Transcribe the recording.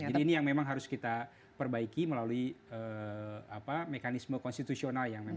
jadi ini yang memang harus kita perbaiki melalui mekanisme konstitusional